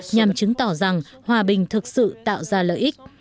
nhằm chứng tỏ rằng hòa bình thực sự tạo ra lợi ích